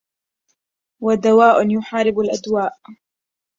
ودواء يحارب الأدواءَ